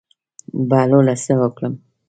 بهلوله څه وکړم.